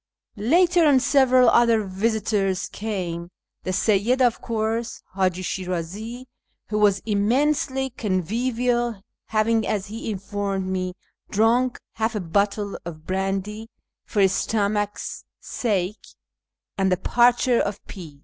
Later on several other visitors came ; the Seyyid, of course ; Haji Shirazi, who was immensely convivial, having, as he informed me, drunk half a bottle of brandy " for his stomach's sake "; and the parcher of peas.